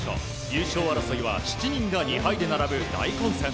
優勝争いは７人が２敗で並ぶ大混戦。